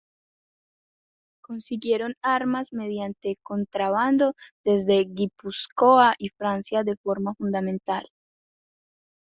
Consiguieron armas mediante contrabando desde Guipúzcoa y Francia de forma fundamental.